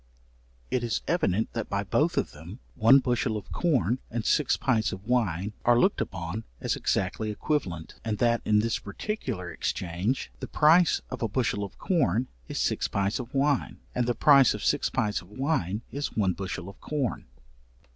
It is evident that by both of them, one bushel of corn and six pints of wine are looked upon as exactly equivalent, and that in this particular exchange, the price of a bushel of corn is six pints of wine, and the price of six pints of wine is one bushel of corn.